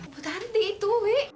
bu tanti itu wih